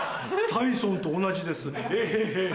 タイソンと同じですエヘヘヘ！